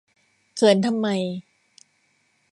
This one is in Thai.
เขินทำไม